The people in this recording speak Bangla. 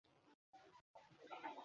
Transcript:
ওকাজ বাজার থেকে কিছু গোলাম ক্রয় করেছি।